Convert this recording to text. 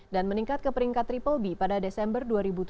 dan meningkat ke peringkat bbb pada desember dua ribu tujuh belas